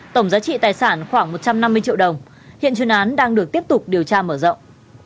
tổng giá trị tài sản khoảng một trăm năm mươi triệu đồng hiện chuyên án đang được tiếp tục điều tra mở rộng